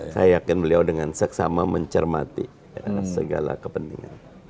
saya yakin beliau dengan seksama mencermati segala kepentingan